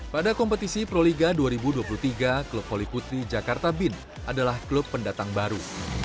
pada kompetisi proliga dua ribu dua puluh tiga klub voli putri jakarta bin adalah klub pendatang baru